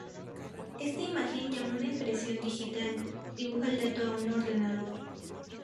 Esta imagen, llamó una impresión digital, dibuja el dato a un ordenador.